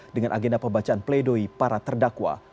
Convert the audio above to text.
dengan agenda pembacaan pledoi para terdakwa